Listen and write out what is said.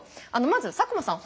まず佐久間さん。